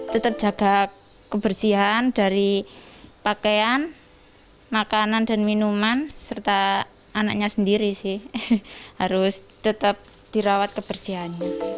tetap jaga kebersihan dari pakaian makanan dan minuman serta anaknya sendiri sih harus tetap dirawat kebersihan